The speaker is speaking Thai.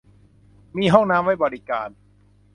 มีห้องน้ำไว้บริการ